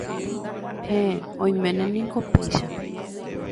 Héẽ, oiméne niko péicha